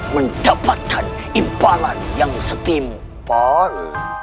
mendapatkan impangan yang setimpal